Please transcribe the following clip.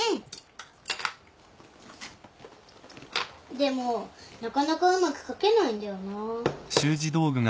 でもなかなかうまく書けないんだよなぁ。